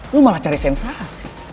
lo malah cari sensasi